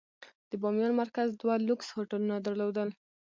د بامیان مرکز دوه لوکس هوټلونه درلودل.